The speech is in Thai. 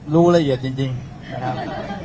รู้ละเอียดจริงนะครับ